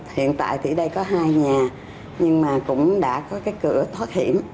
hiện tại thì đây có hai nhà nhưng mà cũng đã có cái cửa thoát hiểm